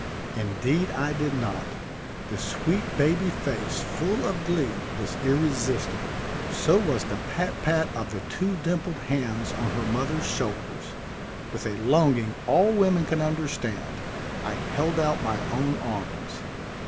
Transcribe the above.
Indeed I did not; the sweet baby face full of glee was irresistible; so was the pat pat of the two dimpled hands on her mother's shoulders. With a longing all women can understand, I held out my own arms.